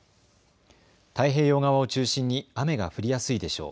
太平洋側を中心に雨が降りやすいでしょう。